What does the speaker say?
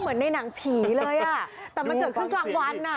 เหมือนในหนังผีเลยอ่ะแต่มันเกิดขึ้นกลางวันอ่ะ